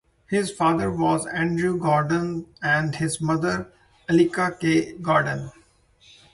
His father was Andrew Gordon and his mother, Eliza K. Gordon.